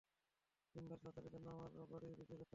সিম্বার সার্জারির জন্য আমার বাড়ি বিক্রি করতে হবে?